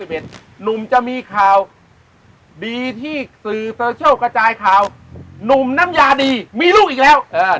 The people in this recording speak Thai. หนุ่มจะมีข่าวดีที่สื่อโซเชียลกระจายข่าวหนุ่มน้ำยาดีมีลูกอีกแล้ว